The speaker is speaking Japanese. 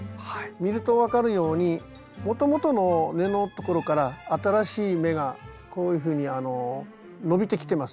見ると分かるようにもともとの根のところから新しい芽がこういうふうに伸びてきてます。